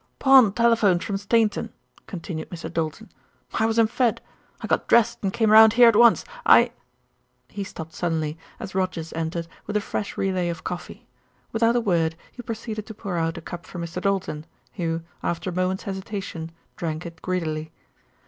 "Pond telephoned from Stainton," continued Mr. Doulton. "I was in Fed. I got dressed, and came round here at once. I " he stopped suddenly, as Rogers entered with a fresh relay of coffee. Without a word he proceeded to pour out a cup for Mr. Doulton, who, after a moment's hesitation, drank it greedily.